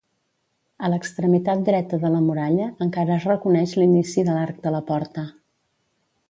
A l'extremitat dreta de la muralla encara es reconeix l'inici de l'arc de la porta.